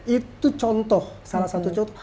itu contoh salah satu contoh